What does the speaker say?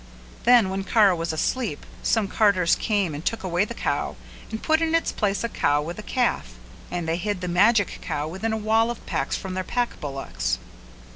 Then when Kara was asleep some carters came and took away the cow and put in its place a cow with a calf, and they hid the magic cow within a wall of packs from their pack bullocks.